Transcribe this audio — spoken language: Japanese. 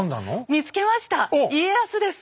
見つけました家康です。